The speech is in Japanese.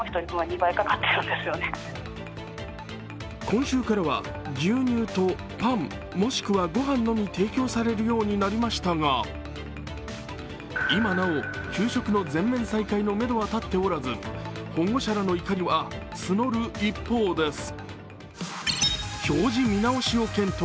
今週からは、牛乳とパンもしくは、ご飯のみ提供されるようになりましたが今なお給食の全面再開のめどは立っておらず保護者らの怒りは募る一方です。